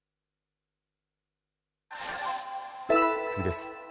次です。